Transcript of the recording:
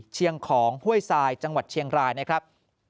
ของห้วยทรายจังหวัดเชียงรายนะครับ